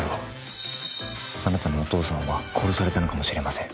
あなたのお父さんは殺されたのかもしれません。